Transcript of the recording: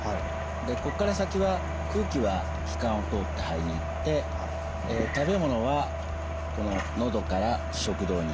でここから先は空気は気管を通って肺に行って食べ物はこの喉から食道に行きます。